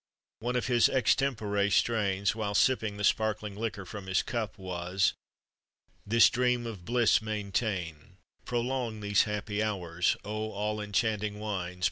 One of his extempore strains, while sipping the sparkling liquor from his cup, was: This dream of bliss maintain, prolong these happy hours, O, all enchanting wines!